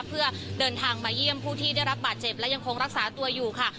เพื่อเดินทางมาเยี่ยมผู้ที่ได้รับบาดเจ็บและยังคงรักษาตัวอยู่ค่ะ